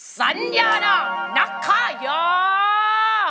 สัญญานักฆ่ายา